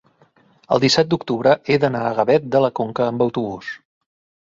el disset d'octubre he d'anar a Gavet de la Conca amb autobús.